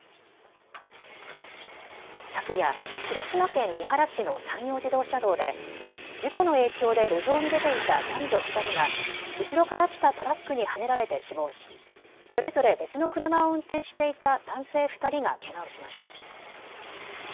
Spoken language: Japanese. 昨夜、広島県三原市の山陽自動車道で事故の影響で路上に出ていた男女２人が後ろから来たトラックにはねられて死亡しそれぞれ別の車を運転していた男性２人がけがをしました。